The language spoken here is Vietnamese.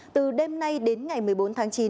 từ đêm nay đến ngày một mươi bốn tháng chín